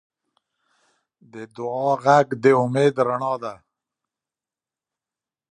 د دعا غږ د امید رڼا ده.